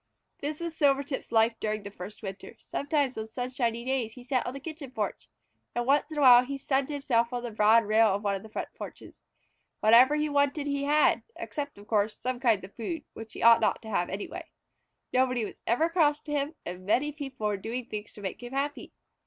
This was Silvertip's life during that first winter. Sometimes on sunshiny days he sat out on the kitchen porch, and once in a while he sunned himself on the broad rail of one of the front porches. Whatever he wanted he had, except, of course, some kinds of food, which he ought not to have anyway. Nobody was ever cross to him and many people were doing things to make him happy.